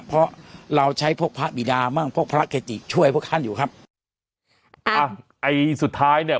เพราะเราใช้พวกพระบิดามั่งพวกพระเกจิช่วยพวกท่านอยู่ครับอ่าไอ้สุดท้ายเนี่ย